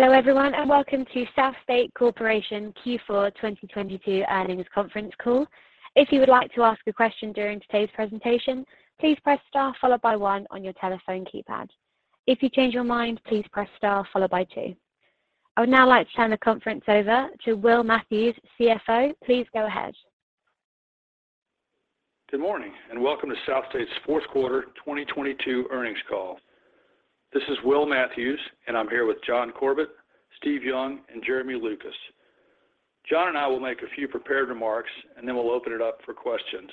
Good morning, welcome to SouthState's Q4 2022 earnings call. This is Will Matthews, and I'm here with John Corbett, Steve Young, and Jeremy Lucas. John and I will make a few prepared remarks, and then we'll open it up for questions.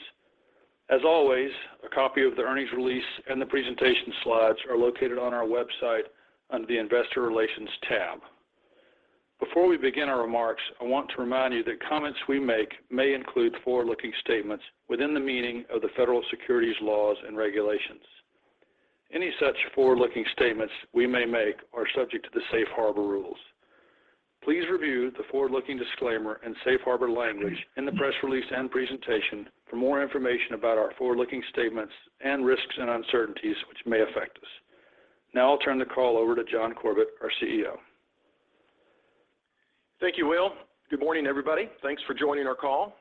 As always, a copy of the earnings release and the presentation slides are located on our website under the Investor Relations tab. Before we begin our remarks, I want to remind you that comments we make may include forward-looking statements within the meaning of the federal securities laws and regulations. Any such forward-looking statements we may make are subject to the safe harbor rules. Please review the forward-looking disclaimer and safe harbor language in the press release and presentation for more information about our forward-looking statements and risks and uncertainties which may affect us. I'll turn the call over to John Corbett, our CEO. Thank you, Will. Good morning, everybody. Thanks for joining our call.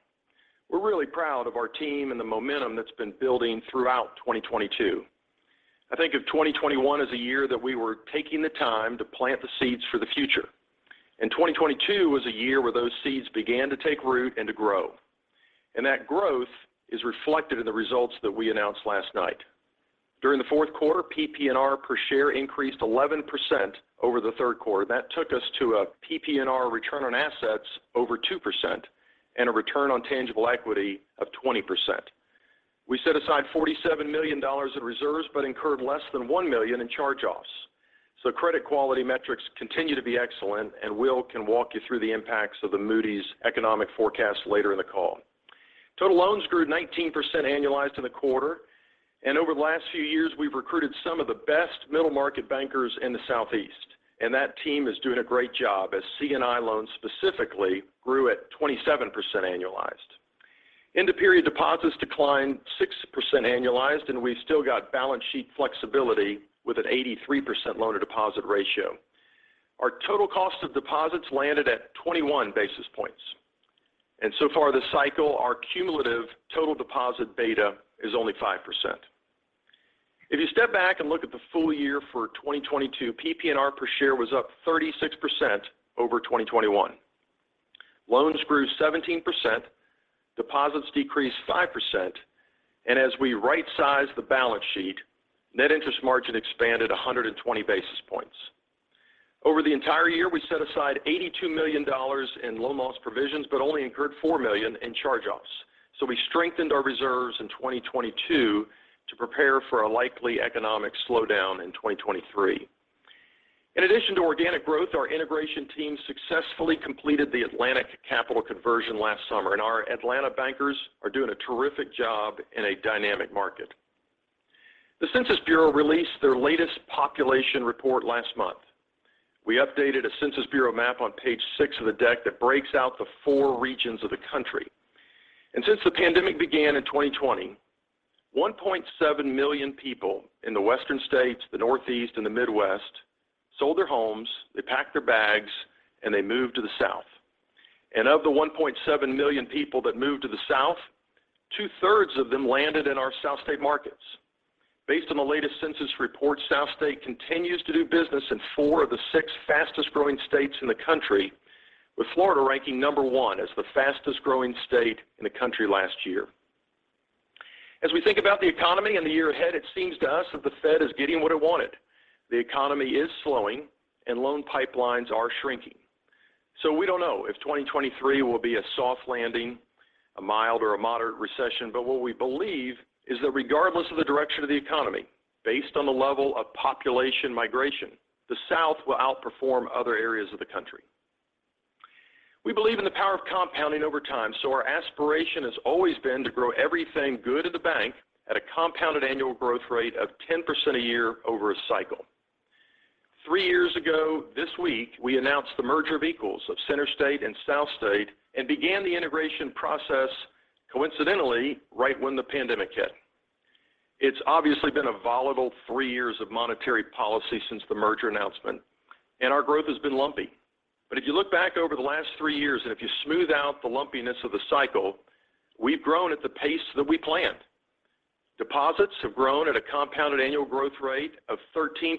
We are really proud of our team and the momentum that's been building throughout 2022. I think of 2021 as a year that we were taking the time to plant the seeds for the future. 2022 was a year where those seeds began to take root and to grow. That growth is reflected in the results that we announced last night. During the 4th quarter, PPNR per share increased 11% over the Q3. That took us to a PPNR return on assets over 2% and a return on tangible equity of 20%. We set aside $47 million in reserves but incurred less than $1 million in charge-offs. Credit quality metrics continue to be excellent, and Will can walk you through the impacts of the Moody's economic forecast later in the call. Total loans grew 19% annualized in the quarter. Over the last few years, we have recruited some of the best middle market bankers in the Southeast. That team is doing a great job as C&I loans specifically grew at 27% annualized. End of period deposits declined 6% annualized, and we have still got balance sheet flexibility with an 83% loan to deposit ratio. Our total cost of deposits landed at 21 basis points. So far this cycle, our cumulative total deposit beta is only 5%. If you step back and look at the full year for 2022, PPNR per share was up 36% over 2021. Loans grew 17%, deposits decreased 5%, and as we right-sized the balance sheet, net interest margin expanded 120 basis points. Over the entire year, we set aside $82 million in loan loss provisions, but only incurred $4 million in charge-offs. We strengthened our reserves in 2022 to prepare for a likely economic slowdown in 2023. In addition to organic growth, our integration team successfully completed the Atlantic Capital conversion last summer, and our Atlanta bankers are doing a terrific job in a dynamic market. The Census Bureau released their latest population report last month. We updated a Census Bureau map on page 6 of the deck that breaks out the four regions of the country. Since the pandemic began in 2020, 1.7 million people in the Western states, the Northeast, and the Midwest, sold their homes, they packed their bags, and they moved to the South. Of the 1.7 million people that moved to the South, two-thirds of them landed in our SouthState markets. Based on the latest census report, SouthState continues to do business in four of the six fastest growing states in the country, with Florida ranking number one as the fastest growing state in the country last year. As we think about the economy and the year ahead, it seems to us that the Fed is getting what it wanted. The economy is slowing and loan pipelines are shrinking. We don't know if 2023 will be a soft landing, a mild or a moderate recession. What we believe is that regardless of the direction of the economy, based on the level of population migration, the South will outperform other areas of the country. We believe in the power of compounding over time, our aspiration has always been to grow everything good at the bank at a compounded annual growth rate of 10% a year over a cycle. Three years ago this week, we announced the merger of equals of CenterState and SouthState and began the integration process coincidentally right when the pandemic hit. It's obviously been a volatile three years of monetary policy since the merger announcement, and our growth has been lumpy. If you look back over the last three years, and if you smooth out the lumpiness of the cycle, we have grown at the pace that we planned. Deposits have grown at a compounded annual growth rate of 13%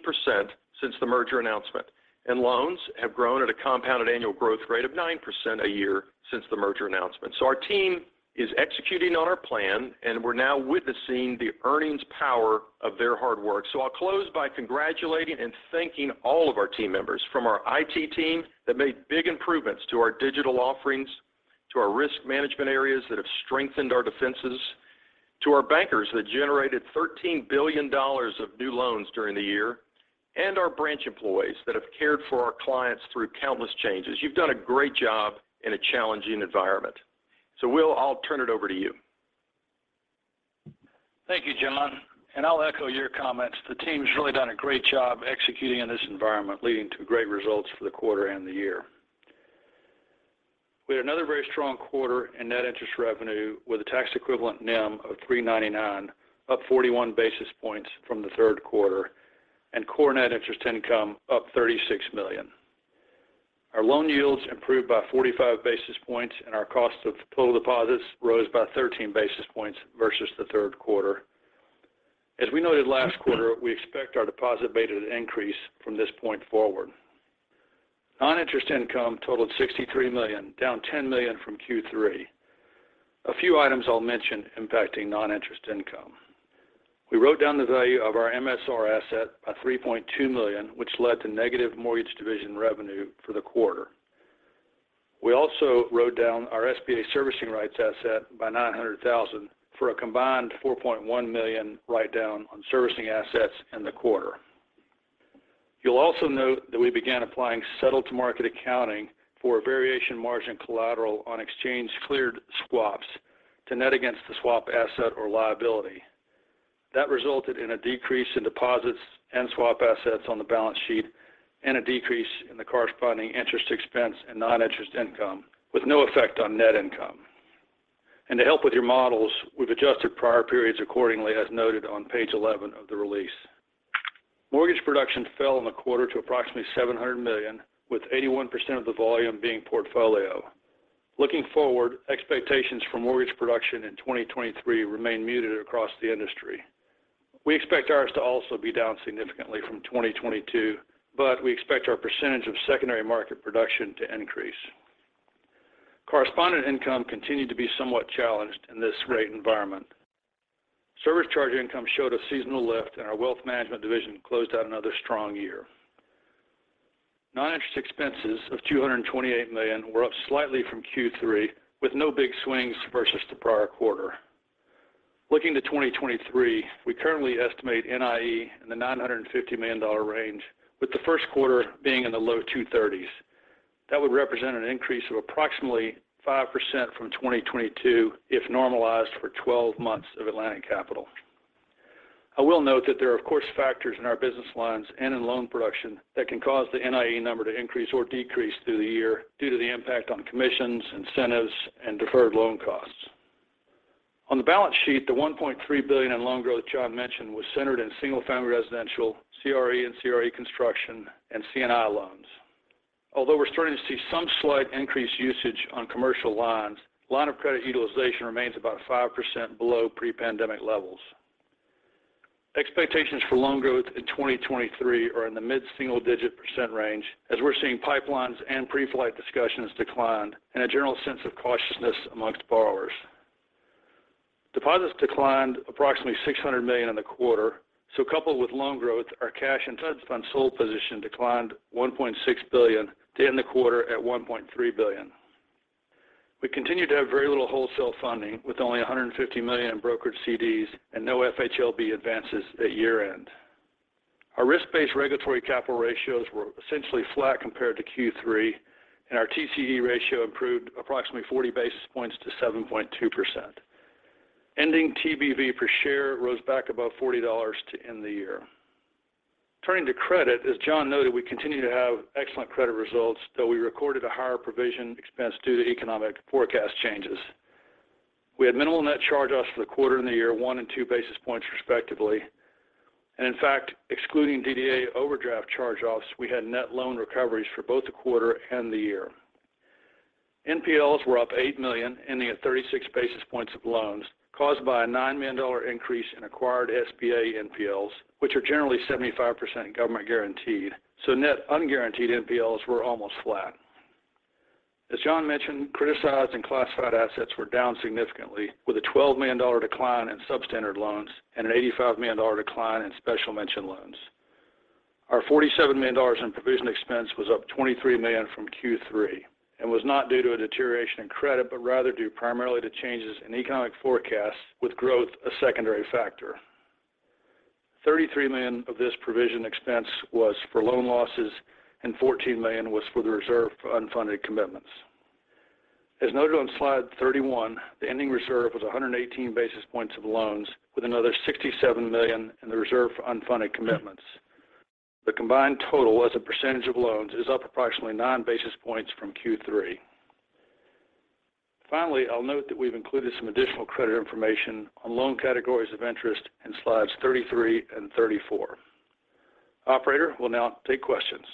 since the merger announcement, and loans have grown at a compounded annual growth rate of 9% a year since the merger announcement. Our team is executing on our plan, and we are now witnessing the earnings power of their hard work. I'll close by congratulating and thanking all of our team members from our IT team that made big improvements to our digital offerings, to our risk management areas that have strengthened our defenses, to our bankers that generated $13 billion of new loans during the year, and our branch employees that have cared for our clients through countless changes. You've done a great job in a challenging environment. Will, I'll turn it over to you. Thank you, John. I'll echo your comments. The team has really done a great job executing in this environment, leading to great results for the quarter and the year. We had another very strong quarter in net interest revenue with a tax equivalent NIM of 3.99%, up 41 basis points from Q3, and core net interest income up $36 million. Our loan yields improved by 45 basis points and our cost of total deposits rose by 13 basis points versus Q3. As we noted last quarter, we expect our deposit beta to increase from this point forward. Non-interest income totaled $63 million, down $10 million from Q3. A few items I'll mention impacting non-interest income. We wrote down the value of our MSR asset by $3.2 million, which led to negative mortgage division revenue for the quarter. We also wrote down our SBA servicing rights asset by $900,000 for a combined $4.1 million write-down on servicing assets in the quarter. You'll also note that we began applying settled-to-market accounting for variation margin collateral on exchange cleared swaps to net against the swap asset or liability. That resulted in a decrease in deposits and swap assets on the balance sheet and a decrease in the corresponding interest expense and non-interest income with no effect on net income. To help with your models, we have adjusted prior periods accordingly, as noted on page 11 of the release. Mortgage production fell in the quarter to approximately $700 million, with 81% of the volume being portfolio. Looking forward, expectations for mortgage production in 2023 remain muted across the industry. We expect ours to also be down significantly from 2022. We expect our percentage of secondary market production to increase. Correspondent income continued to be somewhat challenged in this rate environment. Service charge income showed a seasonal lift. Our wealth management division closed out another strong year. Non-interest expenses of $228 million were up slightly from Q3, with no big swings versus the prior quarter. Looking to 2023, we currently estimate NIE in the $950 million range, with the Q1 being in the low two thirties. That would represent an increase of approximately 5% from 2022 if normalized for 12 months of Atlantic Capital. I will note that there are of course factors in our business lines and in loan production that can cause the NIE number to increase or decrease through the year due to the impact on commissions, incentives, and deferred loan costs. On the balance sheet, the $1.3 billion in loan growth John mentioned was centered in single-family residential, CRE and CRE construction, and C&I loans. We are starting to see some slight increased usage on commercial lines, line of credit utilization remains about 5% below pre-pandemic levels. Expectations for loan growth in 2023 are in the mid-single-digit % range as we are seeing pipelines and pre-flight discussions declined and a general sense of cautiousness amongst borrowers. Deposits declined approximately $600 million in the quarter. Coupled with loan growth, our cash and time sold position declined $1.6 billion to end the quarter at $1.3 billion. We continue to have very little wholesale funding with only $150 million in brokered CDs and no FHLB advances at year-end. Our risk-based regulatory capital ratios were essentially flat compared to Q3. Our TCE ratio improved approximately 40 basis points to 7.2%. Ending TBV per share rose back above $40 to end the year. Turning to credit, as John noted, we continue to have excellent credit results. We recorded a higher provision expense due to economic forecast changes. We had minimal net charge-offs for the quarter and the year, 1 and 2 basis points respectively. In fact, excluding DDA overdraft charge-offs, we had net loan recoveries for both the quarter and the year. NPLs were up $8 million, ending at 36 basis points of loans, caused by a $9 million increase in acquired SBA NPLs, which are generally 75% government guaranteed. Net unguaranteed NPLs were almost flat. As John mentioned, criticized and classified assets were down significantly, with a $12 million decline in substandard loans and an $85 million decline in special mention loans. Our $47 million in provision expense was up $23 million from Q3 and was not due to a deterioration in credit, but rather due primarily to changes in economic forecasts with growth a secondary factor. $33 million of this provision expense was for loan losses and $14 million was for the reserve for unfunded commitments. As noted on slide 31, the ending reserve was 118 basis points of loans with another $67 million in the reserve for unfunded commitments. The combined total as a percentage of loans is up approximately 9 basis points from Q3. Finally, I'll note that we have included some additional credit information on loan categories of interest in slides 33 and 34. Operator, we'll now take questions.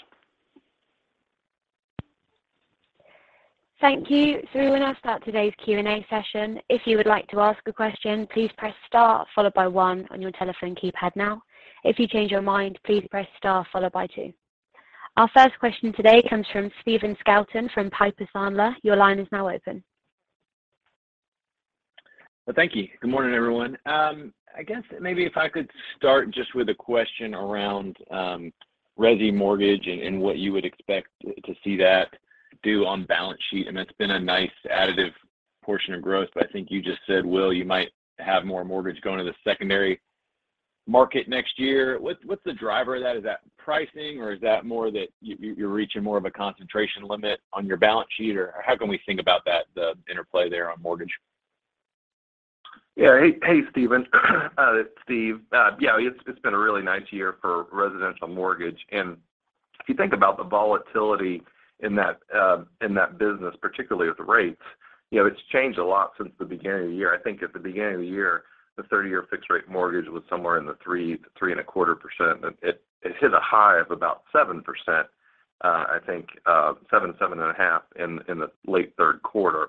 Thank you. Good morning, everyone. I guess maybe if I could start just with a question around resi mortgage and what you would expect to see that do on balance sheet. it's been a nice additive portion of growth. I think you just said, Will, you might have more mortgage going to the secondary market next year. What's the driver of that? Is that pricing or is that more that you're reaching more of a concentration limit on your balance sheet? Or how can we think about that, the interplay there on mortgage? Yes. Hey, hey, Stephen. It's Steve. Yeah, it's been a really nice year for residential mortgage. If you think about the volatility in that, in that business, particularly with the rates, it's changed a lot since the beginning of the year. I think at the beginning of the year, the 30-year fixed rate mortgage was somewhere in the 3 and a quarter %. It hit a high of about 7%, I think, 7 and a half in the late Q3.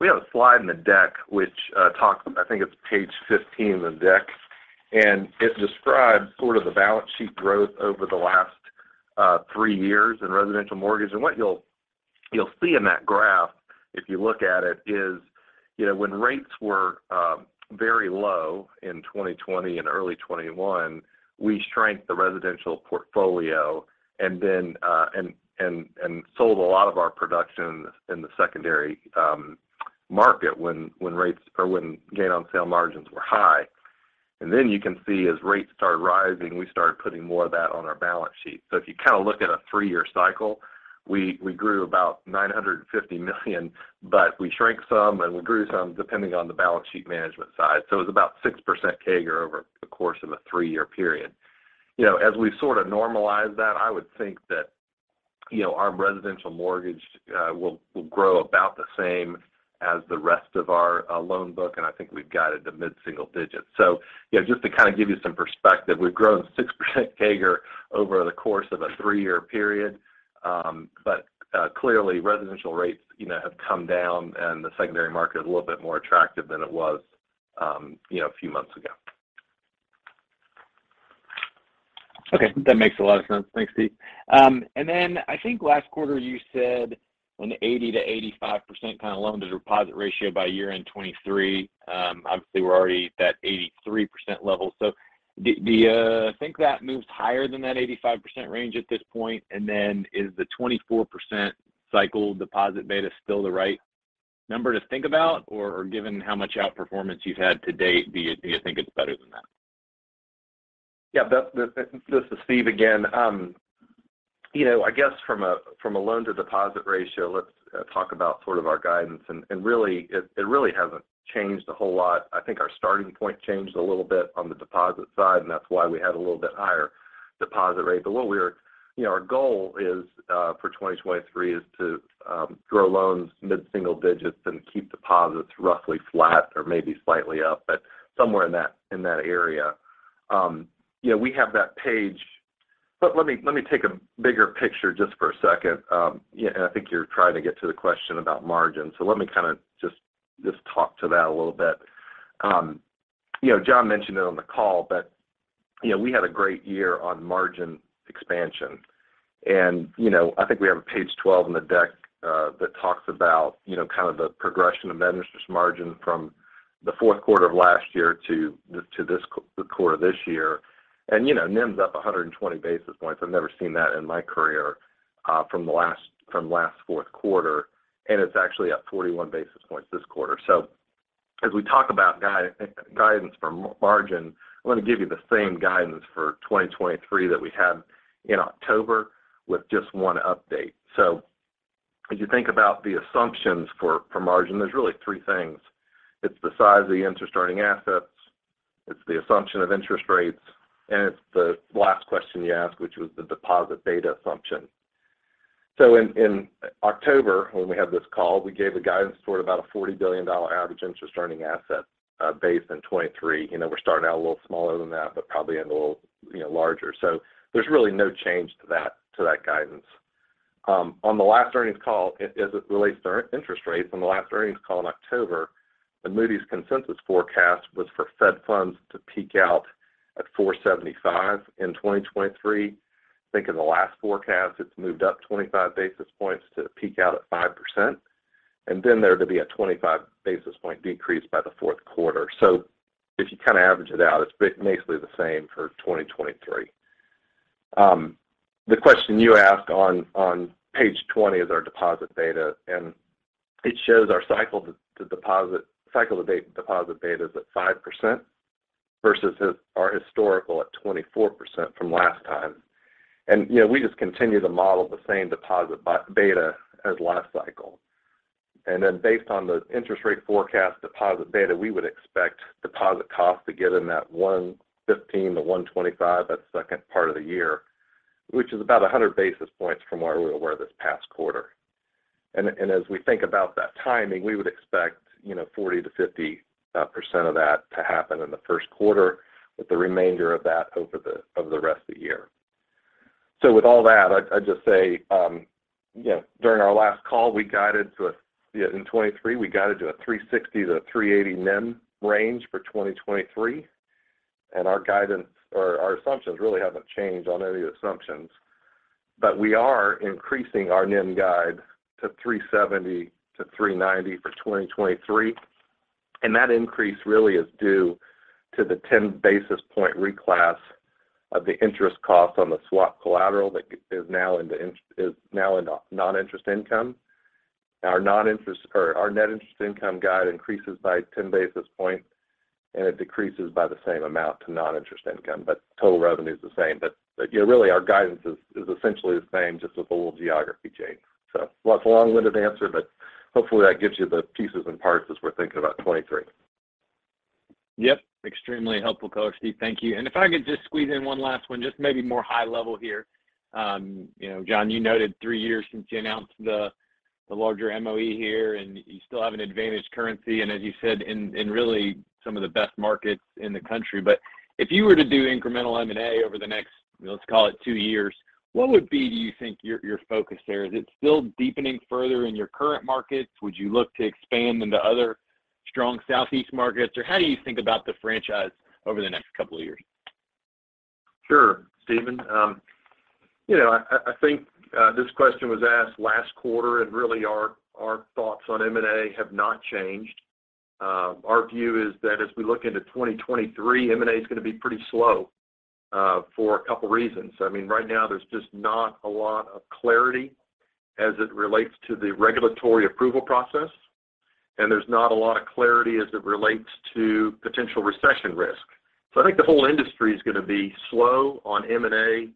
We have a slide in the deck which talks. I think it's page 15 in the deck, and it describes sort of the balance sheet growth over the last 3 years in residential mortgage. What you'll see in that graph, if you look at it, is, when rates were very low in 2020 and early 2021, we shrank the residential portfolio and sold a lot of our production in the secondary market when rates or when gain on sale margins were high. You can see as rates started rising, we started putting more of that on our balance sheet. If you look at a three-year cycle, we grew about $950 million, but we shrank some and we grew some, depending on the balance sheet management side. It was about 6% CAGR over the course of a three-year period. As we sort of normalize that, I would think that, our residential mortgage will grow about the same as the rest of our loan book, and I think we have got it to mid-single digits. Just to give you some perspective, we have grown 6% CAGR over the course of a three-year period. Clearly residential rates, have come down and the secondary market is a little bit more attractive than it was, a few months ago. Okay. That makes a lot of sense. Thanks, Steve. I think last quarter you said an 80%-85% loan-to-deposit ratio by year-end 2023. Obviously we are already at that 83% level. Do you think that moves higher than that 85% range at this point? Is the 24% cycle deposit beta still the right number to think about, or given how much outperformance you've had to date, do you think it's better than that? Yes. Beth, this is Steve again. I guess from a loan-to-deposit ratio, let's talk about sort of our guidance and really, it really hasn't changed a whole lot. I think our starting point changed a little bit on the deposit side, and that's why we had a little bit higher deposit rate. Our goal is for 2023 is to grow loans mid-single digits and keep deposits roughly flat or maybe slightly up, but somewhere in that area. We have that page. Let me take a bigger picture just for a second. I think you are trying to get to the question about margin, so let me just talk to that a little bit. John mentioned it on the call, we had a great year on margin expansion. I think we have page 12 in the deck that talks about, the progression of net interest margin from the 4th quarter of last year to this, the quarter this year. NIM's up 120 basis points. I have never seen that in my career, from last 4th quarter, and it's actually up 41 basis points this quarter. As we talk about guidance for margin, I'm going to give you the same guidance for 2023 that we had in October with just 1 update. As you think about the assumptions for margin, there's really 3 things. It's the size of the interest-earning assets, it's the assumption of interest rates, and it's the last question you asked, which was the deposit beta assumption. In October when we had this call, we gave a guidance for about a $40 billion average interest-earning asset base in 2023. We are starting out a little smaller than that, but probably end a little, larger. There's really no change to that guidance. On the last earnings call as it relates to interest rates, on the last earnings call in October, the Moody's consensus forecast was for Fed funds to peak out at 4.75% in 2023. I think in the last forecast, it's moved up 25 basis points to peak out at 5%. There to be a 25 basis point decrease by the Q4. If you average it out, it's basically the same for 2023. The question you asked on page 20 is our deposit beta, it shows our cycle to deposit beta is at 5% versus our historical at 24% from last time. We just continue to model the same deposit beta as last cycle. Based on the interest rate forecast deposit beta, we would expect deposit costs to get in that 1.15%-1.25% that second part of the year, which is about 100 basis points from where we were this past quarter. As we think about that timing, we would expect, 40%-50% of that to happen in the Q1 with the remainder of that over the rest of the year. With all that, I'd just say, During our last call, we guided to a. In 2023, we guided to a 360-380 NIM range for 2023. Our guidance or our assumptions really haven't changed on any of the assumptions. We are increasing our NIM guide to 370-390 for 2023, and that increase really is due to the 10 basis point reclass of the interest cost on the swap collateral that is now into non-interest income. Our non-interest or our net interest income guide increases by 10 basis points, and it decreases by the same amount to non-interest income. Total revenue's the same. Yeah, really our guidance is essentially the same, just with a little geography change. It's a long-winded answer, but hopefully that gives you the pieces and parts as we are thinking about 2023. Yes. Extremely helpful color, Steve. Thank you. If I could just squeeze in one last one, just maybe more high level here. John, you noted 3 years since you announced the larger MOE here, and you still have an advantage currency and as you said in really some of the best markets in the country. If you were to do incremental M&A over the next, let's call it 2 years, what would be, do you think, your focus there? Is it still deepening further in your current markets? Would you look to expand into other strong Southeast markets? How do you think about the franchise over the next couple of years? Sure, Stephen. I think, this question was asked last quarter, and really our thoughts on M&A have not changed. Our view is that as we look into 2023, M&A is going to be pretty slow, for a couple of reasons. Right now there is not a lot of clarity as it relates to the regulatory approval process, and there's not a lot of clarity as it relates to potential recession risk. I think the whole industry is going to be slow on M&A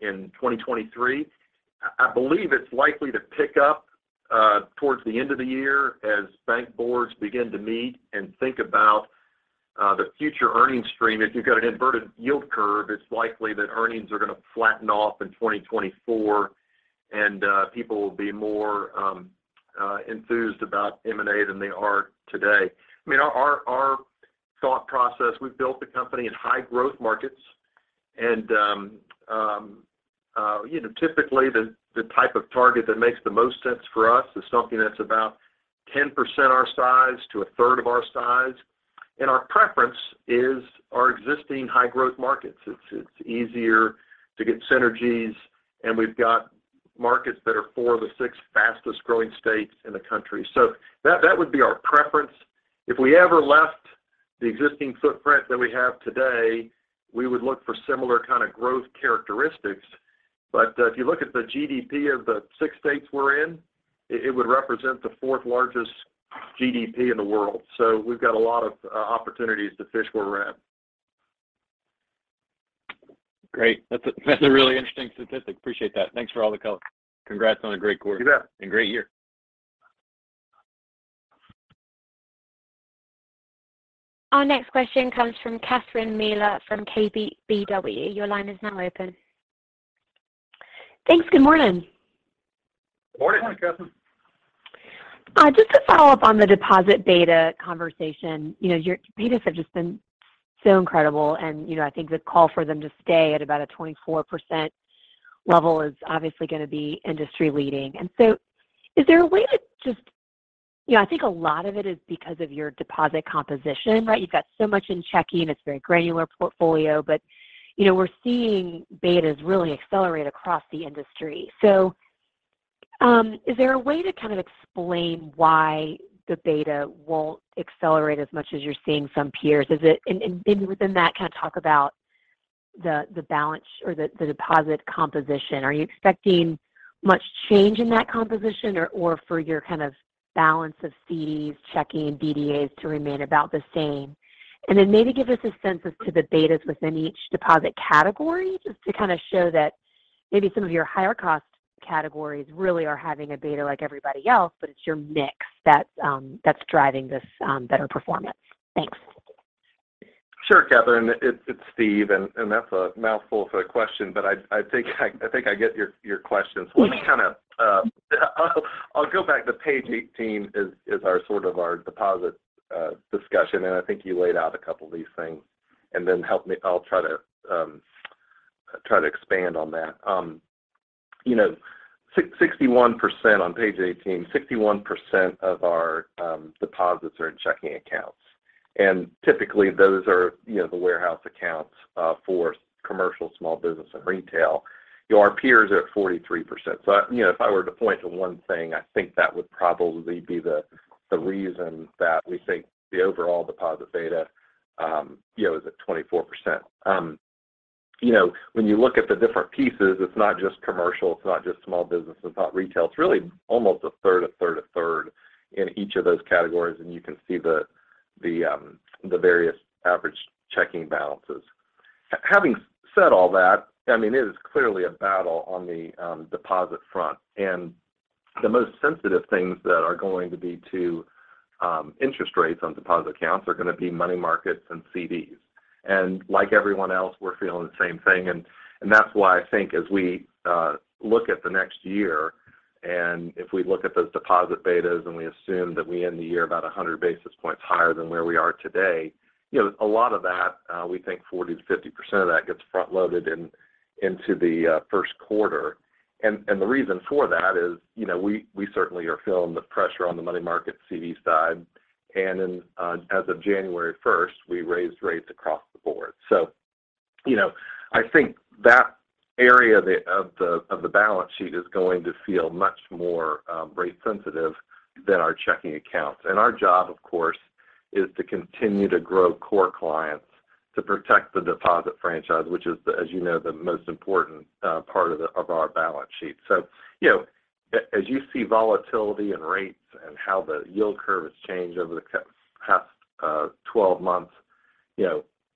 in 2023. I believe it's likely to pick up, towards the end of the year as bank boards begin to meet and think about, the future earnings stream. If you've got an inverted yield curve, it's likely that earnings are going to flatten off in 2024 and people will be more enthused about M&A than they are today. Our thought process, we have built the company in high growth markets and typically the type of target that makes he most sense for us is something that's about 10% our size to a third of our size. Our preference is our existing high-growth markets. It's easier to get synergies, and we have got markets that are four of the six fastest-growing states in the country. That would be our preference. If we ever left the existing footprint that we have today, we would look for similar growth characteristics. If you look at the GDP of the 6 states we are in, it would represent the fourth largest GDP in the world. We have got a lot of opportunities to fish where we are at. Great. That's a really interesting statistic. Appreciate that. Thanks for all the color. Congrats on a great quarter. You bet. Great year. Thanks. Good morning. Morning, Catherine. Just to follow up on the deposit beta conversation. Your betas have just been so incredible and, I think the call for them to stay at about a 24% level is obviously going to be industry leading. Is there a way to just I think a lot of it is because of your deposit composition, right? You've got so much in checking. It's very granular portfolio. we are seeing betas really accelerate across the industry. Is there a way to explain why the beta won't accelerate as much as you're seeing some peers? Is it within that, talk about the balance or the deposit composition? Are you expecting much change in that composition or for your balance of CDs, checking, BDAs to remain about the same? Maybe give us a sense as to the betas within each deposit category, just to show that maybe some of your higher cost categories really are having a beta like everybody else, but it's your mix that's driving this, better performance. Thanks. Sure, Catherine. It's Steve, and that's a mouthful of a question, but I think I get your question. Mm-hmm. Let me I'll go back to page 18 is our sort of our deposit discussion, and I think you laid out a couple of these things. Help me. I'll try to expand on that. 61% on page 18. 61% of our deposits are in checking accounts. Typically those are, the warehouse accounts for commercial, small business and retail. Our peers are at 43%. If I were to point to one thing, I think that would probably be the reason that we think the overall deposit beta, is at 24%. When you look at the different pieces, it's not just commercial, it's not just small business, it's not retail. It's really almost a third, a third, a third in each of those categories. You can see the various average checking balances. Having said all that, it is clearly a battle on the deposit front. The most sensitive things that are going to be to interest rates on deposit accounts are going to be money markets and CDs. Like everyone else, we are feeling the same thing. That's why I think as we look at the next year, and if we look at those deposit betas and we assume that we end the year about 100 basis points higher than where we are today, a lot of that, we think 40%-50% of that gets front-loaded into the Q1. The reason for that is, we certainly are feeling the pressure on the money market CD side. In, as of January first, we raised rates across the board. I think that area of the balance sheet is going to feel much more rate sensitive than our checking accounts. Our job, of course, is to continue to grow core clients to protect the deposit franchise, which is, as, the most important part of our balance sheet. As you see volatility in rates and how the yield curve has changed over the past 12 months.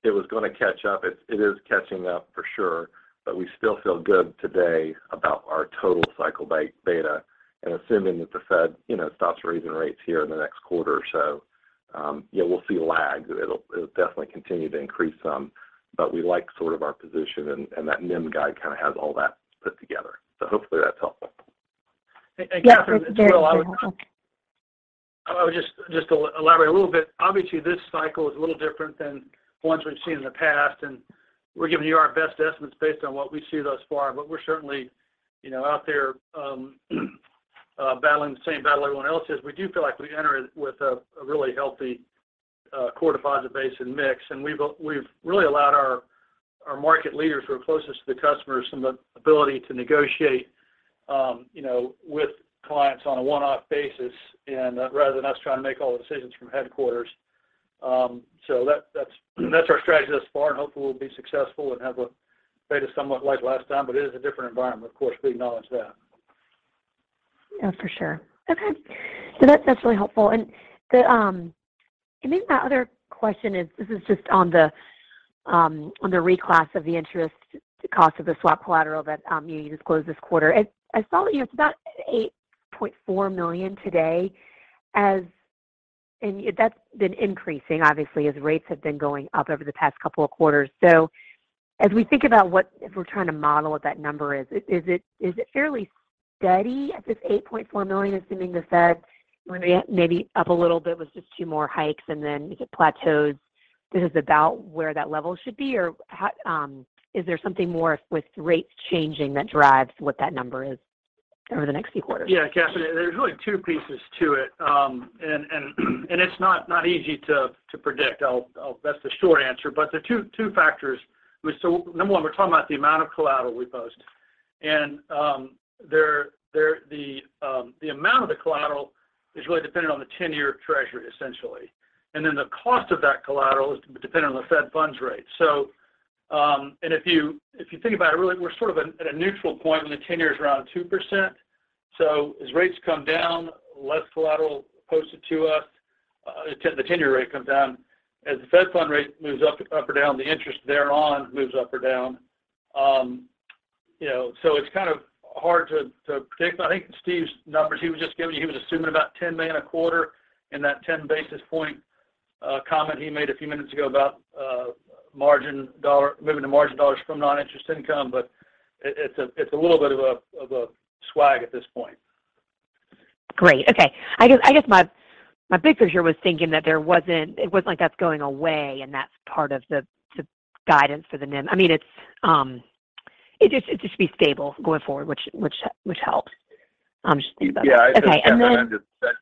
It was going to catch up. It is catching up for sure, but we still feel good today about our total cycle beta, and assuming that the Fed, stops raising rates here in the next quarter or so, yeah, we'll see a lag. It'll definitely continue to increase some. We like sort of our position and that NIM guide has all that put together. Hopefully that's helpful. Catherine- Yes. That's very helpful. I'll just elaborate a little bit. Obviously, this cycle is a little different than ones we have seen in the past, and we are giving you our best estimates based on what we see thus far. We are certainly, out there battling the same battle everyone else is. We do feel like we enter it with a really healthy core deposit base and mix. We have really allowed our market leaders who are closest to the customers some ability to negotiate, with clients on a one-off basis and rather than us trying to make all the decisions from headquarters. That's our strategy thus far, and hopefully we'll be successful and have a beta somewhat like last time. It is a different environment, of course, we acknowledge that. For sure. Okay. That's really helpful. The, I think my other question is this is just on the reclass of the interest cost of the swap collateral that you disclosed this quarter. I saw that, it's about $8.4 million today that's been increasing obviously as rates have been going up over the past couple of quarters. As we think about if we are trying to model what that number is it fairly steady at this $8.4 million, assuming the Fed maybe up a little bit with just two more hikes and then it plateaus, this is about where that level should be? How is there something more with rates changing that drives what that number is over the next few quarters? Yes. Catherine, there's really 2 pieces to it. It's not easy to predict. That's the short answer. The 2 factors is number 1, we are talking about the amount of collateral we post. The amount of the collateral is really dependent on the 10-year Treasury essentially. The cost of that collateral is dependent on the Fed funds rate. If you think about it, really we are sort of at a neutral point when the 10-year is around 2%. As rates come down, less collateral posted to us, the 10-year rate comes down. As the Fed funds rate moves up or down, the interest thereon moves up or down. It's hard to predict. I think Steve's numbers he was just giving you, he was assuming about $10 million a quarter in that 10 basis point comment he made a few minutes ago about margin dollars moving to margin dollars from non-interest income. It's a little bit of a, of a swag at this point. Great. Okay. I guess my big picture here was thinking that it wasn't like that's going away and that's part of the guidance for the NIM. It's, it just should be stable going forward, which helps. Just thinking about that. Yes. Okay.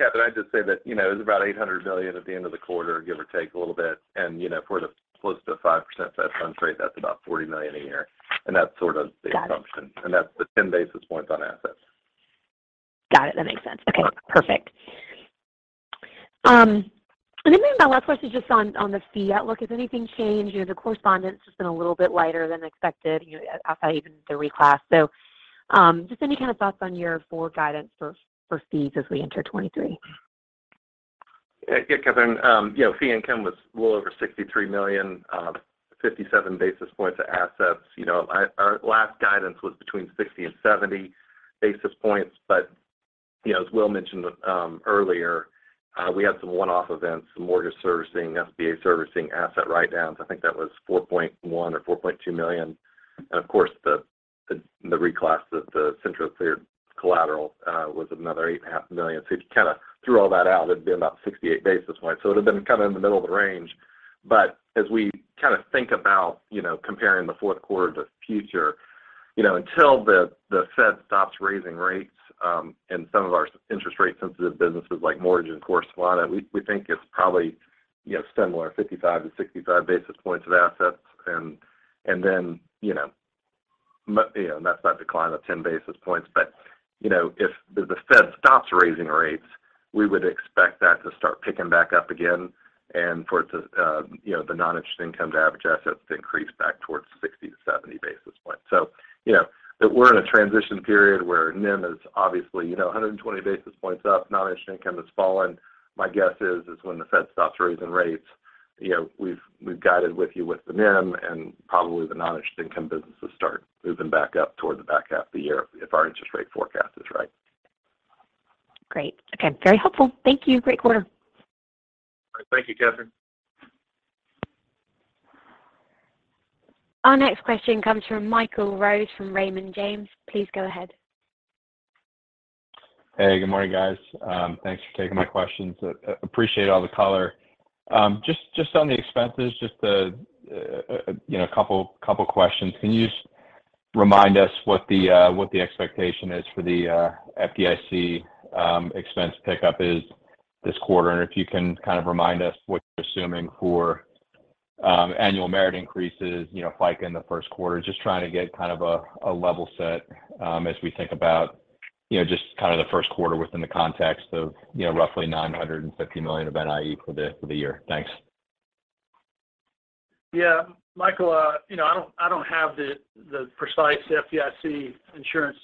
Catherine, I'd just say that, it was about $800 million at the end of the quarter, give or take a little bit. If we are the close to 5% Fed funds rate, that's about $40 million a year, and that's sort of the assumption. Understood. That's the 10 basis points on assets. Understood. That makes sense. Yes. Okay. Perfect. Maybe my last question just on the fee outlook. Has anything changed? the correspondence has been a little bit lighter than expected, outside even the reclass. Just any thoughts on your forward guidance for fees as we enter 2023? Yes. Yeah, Catherine, fee income was a little over $63 million, 57 basis points of assets. Our last guidance was between 60 and 70 basis points, but, as Will mentioned, earlier, we had some one-off events, some mortgage servicing, SBA servicing asset write-downs. I think that was $4.1 million or $4.2 million. Of course the reclass, the Central Clear collateral, was another $8.5 million. If you kinda threw all that out, it'd be about 68 basis points. It would've been in the middle of the range. As we think about, you know, comparing the Q4 to the future, until the Fed stops raising rates, and some of our interest rate sensitive businesses like mortgage and correspondent, we think it's probably, you know, similar, 55 to 65 basis points of assets. Then, you know, and that's not decline of 10 basis points. You know, if the Fed stops raising rates, we would expect that to start picking back up again and for it to, you know, the non-interest income to average assets to increase back towards 60 to 70 basis points. You know, we are in a transition period where NIM is obviously, you know, 120 basis points up. Non-interest income has fallen. My guess is when the Fed stops raising rates, you know, we have guided with you with the NIM and probably the non-interest income businesses start moving back up toward the back half of the year if our interest rate forecast is right. Great. Okay. Very helpful. Thank you. Great quarter. Thank you, Catherine. Hey, good morning, Thank you for taking my questions. Appreciate all the color. Just on the expenses, you know, a couple questions. Can you just remind us what the expectation is for the FDIC expense pickup is this quarter? And if you can remind us what you're assuming for annual merit increases, you know, FICA in the Q1. Just trying to get a level set as we think about, you know, just the Q1 within the context of, you know, roughly $950 million of NIE for the year. Thanks. Yes. Michael, you know, I don't, I don't have the precise FDIC insurance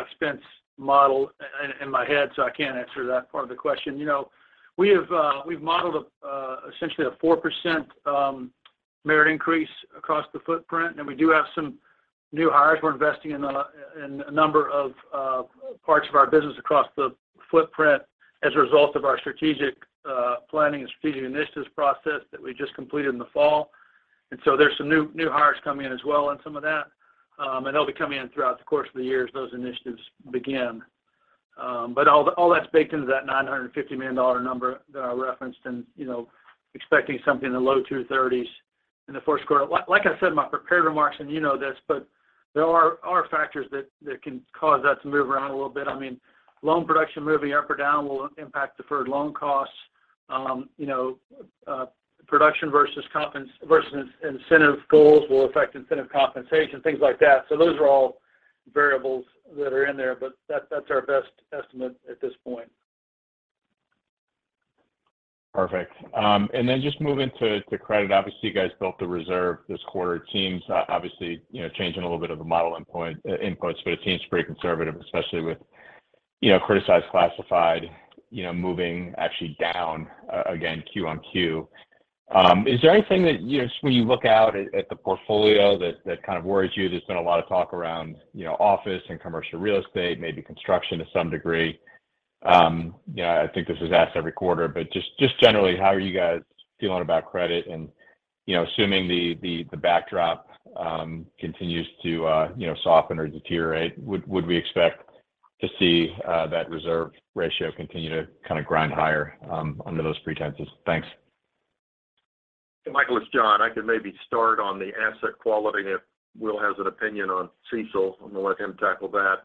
expense model in my head, so I can't answer that part of the question. You know, we have, we have modeled essentially a 4% merit increase across the footprint, and we do have some new hires. We are investing in a number of parts of our business across the footprint as a result of our strategic planning and strategic initiatives process that we just completed in the fall. So there's some new hires coming in as well on some of that. They'll be coming in throughout the course of the year as those initiatives begin. all that's baked into that $950 million number that I referenced, and, you know, expecting something in the low $230s in the Q4. Like I said in my prepared remarks, and you know this, but there are factors that can cause that to move around a little bit. Loan production moving up or down will impact deferred loan costs. you know, production versus incentive goals will affect incentive compensation, things like that. Those are all variables that are in there, but that's our best estimate at this point. Perfect. Then just moving to credit, obviously you built the reserve this quarter. It seems obviously, you know, changing a little bit of the model inputs, but it seems pretty conservative, especially with, you know, criticized, classified, you know, moving actually down again, Q on Q. Is there anything that, you know, when you look out at the portfolio that worries you? There's been a lot of talk around, you know, office and commercial real estate, maybe construction to some degree. You know, I think this is asked every quarter, but just generally, how are you feeling about credit? You know, assuming the backdrop continues to, you know, soften or deteriorate, would we expect to see that reserve ratio continue to grind higher under those pretenses? Thanks. Michael, it's John. I could maybe start on the asset quality if Will has an opinion on CECL. I will let him address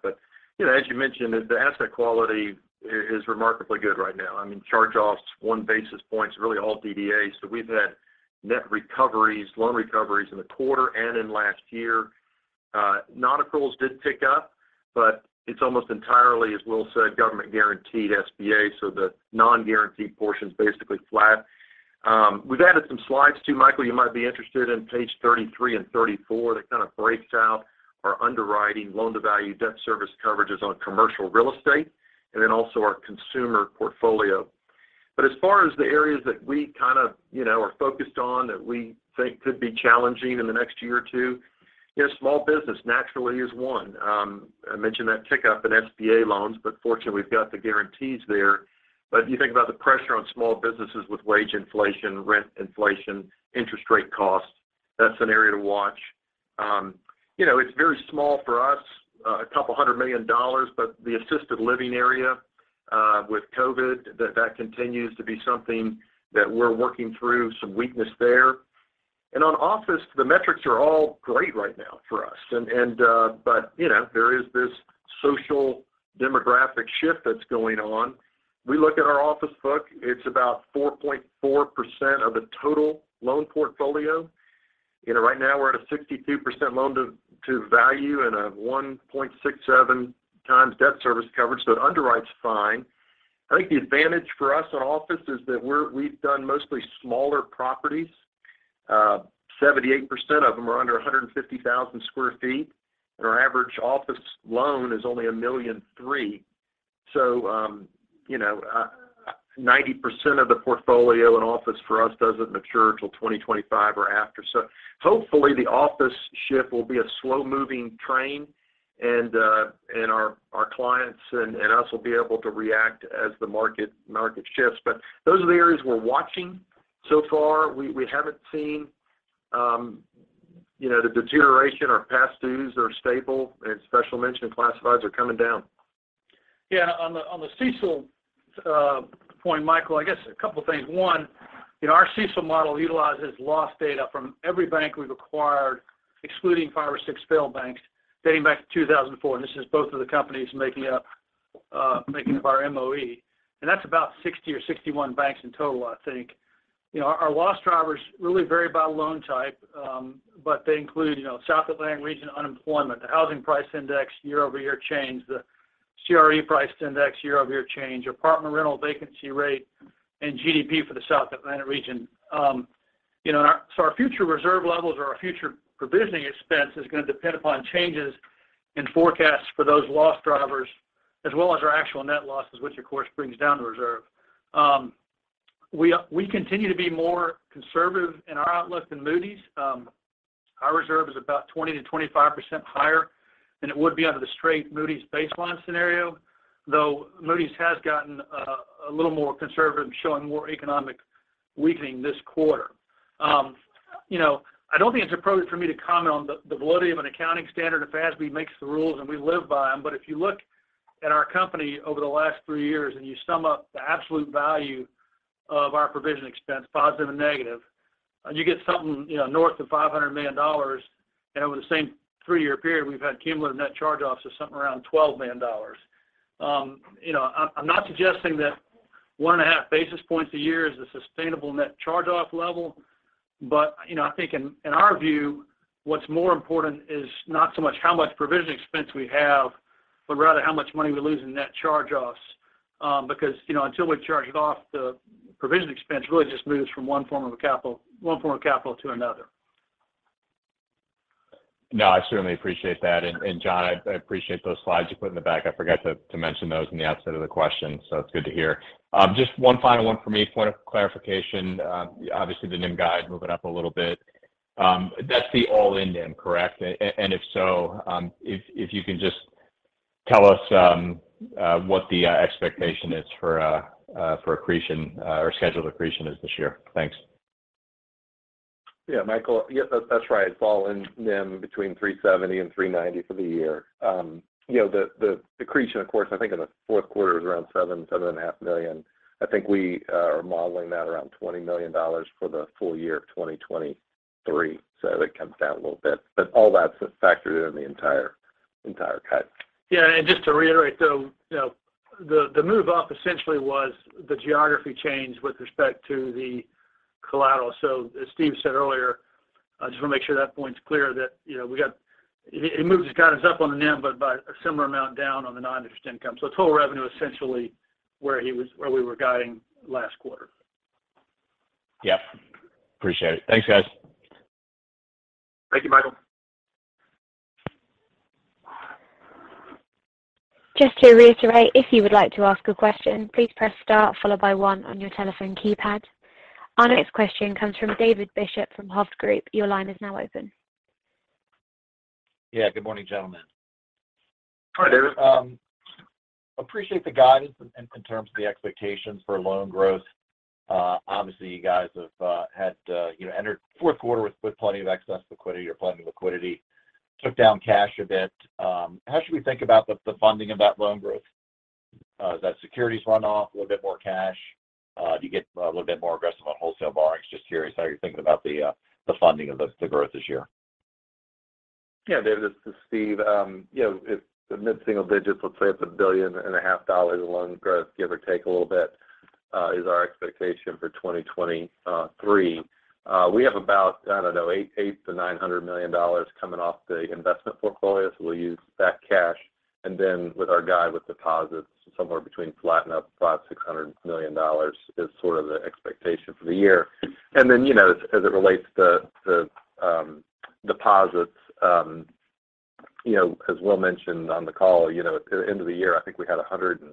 that. You know, as you mentioned, the asset quality is remarkably good right now. Charge-offs are 1 basis point really all DDA, we have had net recoveries, loan recoveries in the quarter and in last year. Nonaccruals increased slightly, it's almost entirely, as Will said, government guaranteed SBA, the non-guaranteed portion's basically flat. We have added some slides too, Michael. You might be interested in page 33 and 34. That breaks out our underwriting loan-to-value debt service coverages on commercial real estate also our consumer portfolio. As far as the areas that we are focused on that we think could be challenging in the next year or two, small business naturally is one. I mentioned that tick up in SBA loans, but fortunately, we have got the guarantees there. If you think about the pressure on small businesses with wage inflation, rent inflation, interest rate costs, that's an area to watch. It's very small for us, $200 million, but the assisted living area, with COVID, that continues to be something that we are working through, some weakness there. On office, the metrics are all great right now for us. There is this social demographic shift that's going on. We look at our office book, it's about 4.4% of the total loan portfolio. You know, right now we are at a 62% loan to value and a 1.67 times debt service coverage. It underwrites fine. I think the advantage for us on office is that we have done mostly smaller properties. 78% of them are under 150,000 sq ft, and our average office loan is only $1.3 million. You know, 90% of the portfolio in office for us doesn't mature until 2025 or after. Hopefully, the office shift will be a slow-moving train and our clients and us will be able to react as the market shifts. Those are the areas we are watching. We haven't seen, you know, the deterioration. Our past dues are stable and special mention classifieds are coming down. Yes. On the CECL point, Michael, I guess a couple things. One, you know, our CECL model utilizes loss data from every bank we have acquired, excluding five or six failed banks, dating back to 2004. This is both of the companies making up our MOE. That's about 60 or 61 banks in total, I think. You know, our loss drivers really vary by loan type. They include, you know, South Atlantic region unemployment, the housing price index year-over-year change, the CRE price index year-over-year change, apartment rental vacancy rate, and GDP for the South Atlantic region. You know, our future reserve levels or our future provisioning expense is going to depend upon changes in forecasts for those loss drivers as well as our actual net losses, which of course brings down the reserve. We continue to be more conservative in our outlook than Moody's. Our reserve is about 20%-25% higher than it would be under the straight Moody's baseline scenario, though Moody's has gotten a little more conservative showing more economic weakening this quarter. You know, I don't think it's appropriate for me to comment on the validity of an accounting standard if FASB makes the rules and we live by them. If you look at our company over the last three years and you sum up the absolute value of our provision expense, positive and negative, you get something, you know, north of $500 million. Over the same three-year period, we have had cumulative net charge-offs of something around $12 million. I'm not suggesting that 1.5 basis points a year is a sustainable net charge-off level. I think in our view, what's more important is not so much how much provision expense we have, but rather how much money we lose in net charge-offs, because until we charge it off, the provision expense really just moves from one form of capital to another. I certainly appreciate that. John, I appreciate those slides you put in the back. I forgot to mention those in the outset of the question, it's good to hear. Just one final one for me, point of clarification. Obviously, the NIM guide moving up a little bit. That's the all-in NIM, correct? If you can just tell us what the expectation is for accretion or scheduled accretion is this year. Thanks. Yeah, Michael. Yes, that's right. It's all-in NIM between 3.70% and 3.90% for the year. You know, the accretion, of course, I think in the Q4 is around seven and a half million. I think we are modeling that around 20 million dollars for the full year of 2023, so that comes down a little bit. All that's factored in the entire cut. Yes. Just to reiterate, though, you know, the move up essentially was the geography change with respect to the collateral. As Steve said earlier, I just want to make sure that point's clear that, you know, guides us up on the NIM, but by a similar amount down on the non-interest income. Total revenue essentially where we were guiding last quarter. Yes. Appreciate it. Thanks. Thank you, Michael. Yes. Good morning, gentlemen. Hi, David. Appreciate the guidance in terms of the expectations for loan growth. Obviously, you have had, you know, entered Q4 with plenty of excess liquidity or plenty of liquidity, took down cash a bit. How should we think about the funding of that loan growth? Is that securities run off, a little bit more cash? Do you get a little bit more aggressive on wholesale borrowings? Just curious how you're thinking about the funding of the growth this year. Yes. David, this is Steve. You know, if the mid-single digits, let's say it's a billion and a half dollars in loan growth, give or take a little bit, is our expectation for 2023. We have about, I don't know, $800 million-$900 million coming off the investment portfolio, so we'll use that cash. With our guide with deposits somewhere between flat and up, $500 million-$600 million is sort of the expectation for the year. Then, you know, as it relates to deposits, you know, as Will mentioned on the call, you know, at the end of the year, I think we had $150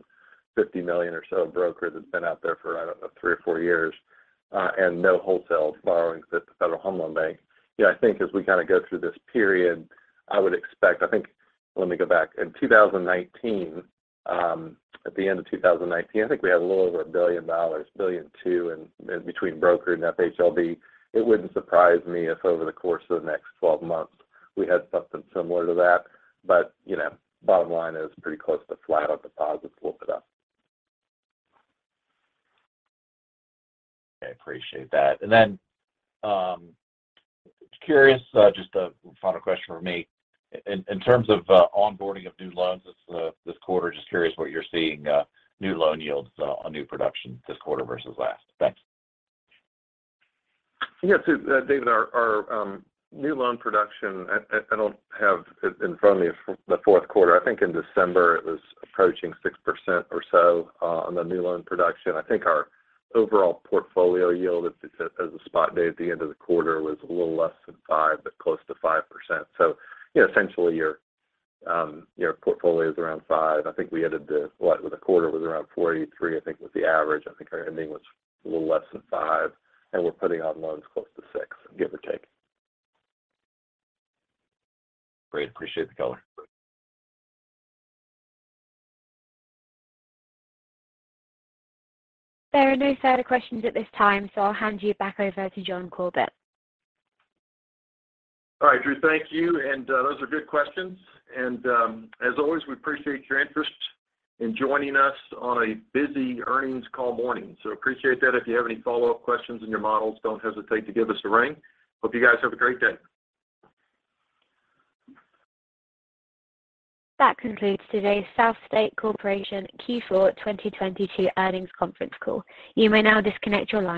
million or so of brokers that's been out there for, I don't know, 3 or 4 years, and no wholesale borrowings at the Federal Home Loan Bank. You know, I think as we go through this period, I would expect. Let me go back. In 2019, at the end of 2019, I think we had a little over $1 billion, $1.2 billion in between broker and FHLB. It wouldn't surprise me if over the course of the next 12 months we had something similar to that. The bottom line is pretty close to flat on deposits, little bit up. I appreciate that. Curious, just a final question from me. In terms of onboarding of new loans this quarter, just curious what you're seeing new loan yields on new production this quarter versus last. Thanks. Yes. David, our new loan production, I don't have it in front of me for the Q4. I think in December it was approaching 6% or so on the new loan production. I think our overall portfolio yield as a spot day at the end of the quarter was a little less than 5%, but close to 5%. You know, essentially your portfolio is around 5%. I think we ended Well, the quarter was around 43, I think was the average. I think our ending was a little less than 5%, and we are putting out loans close to 6%, give or take. Great. Appreciate the color. All right. Drew, thank you. Those are good questions. As always, we appreciate your interest in joining us on a busy earnings call morning. Appreciate that. If you have any follow-up questions in your models, don't hesitate to give us a ring. Thank you. Have a great day.